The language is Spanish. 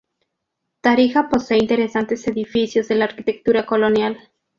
Tarija posee interesantes edificios de la arquitectura colonial.